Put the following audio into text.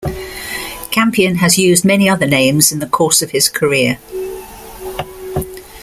Campion has used many other names in the course of his career.